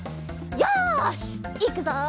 よしいくぞ！